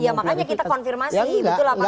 ya makanya kita konfirmasi betul apa